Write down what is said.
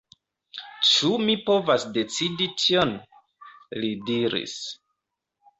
Ĉu mi povas decidi tion?li diris.